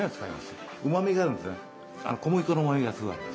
小麦粉のうまみがすごいあります。